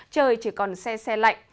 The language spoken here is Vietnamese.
trời chỉ còn xe xe lạnh